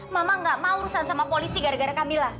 mama nggak mau urusan sama polisi gara gara kamila